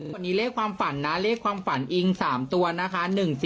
วันนี้เลขความฝันนะเลขความฝันอิง๓ตัวนะคะ